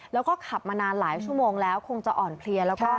แล้วก็ขับมานานหลายชั่วโมงแล้วคงจะอ่อนเพลียแล้วก็